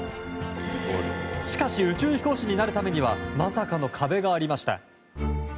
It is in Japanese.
しかし宇宙飛行士になるためにはまさかの壁がありました。